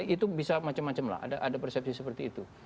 itu bisa macam macam lah ada persepsi seperti itu